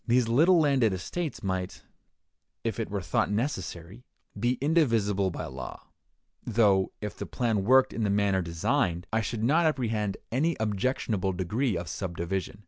These little landed estates might, if it were thought necessary, be indivisible by law; though, if the plan worked in the manner designed, I should not apprehend any objectionable degree of subdivision.